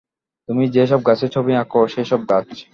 তুমি যে-সব গাছের ছবি আঁক, সেইসব গাছ?